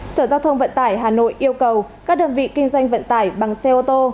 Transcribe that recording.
sở giao thông vận tải hà nội yêu cầu các đơn vị kinh doanh vận tải bằng xe ô tô